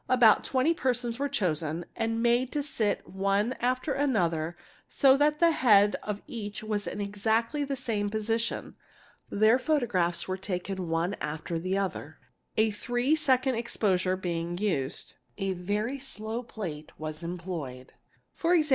About twenty persons were chosen and made to sit one after another so that the head of each was in exactly the same position. Their photographs were taken one after the other, a three seconds exposure being used. A very slow plate was employed, 2.e.